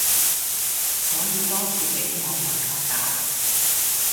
所以多次俾網民惡搞